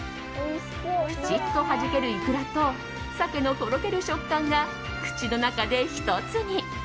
プチッと弾けるイクラと鮭のとろける食感が口の中で１つに。